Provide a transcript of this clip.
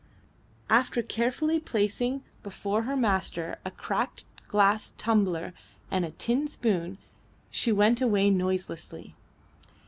After carefully placing before her master a cracked glass tumbler and a tin spoon she went away noiselessly.